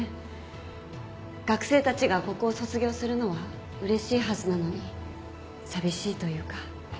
学生たちがここを卒業するのはうれしいはずなのに寂しいというか。